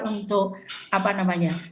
untuk apa namanya